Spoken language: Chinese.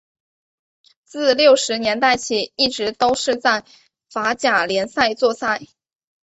自六十年代起一直都是在法甲联赛作赛。